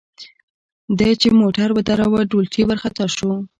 ده چې موټر ودراوه ډولچي ورخطا شو.